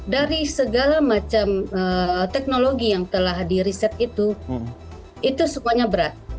dari segala macam teknologi yang telah di riset itu itu semuanya berat